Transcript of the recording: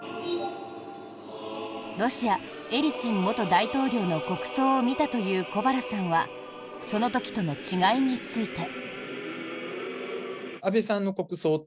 ロシア、エリツィン元大統領の国葬を見たという小原さんはその時との違いについて。